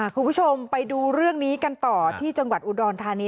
คุณผู้ชมไปดูเรื่องนี้กันต่อที่จังหวัดอุดรธานี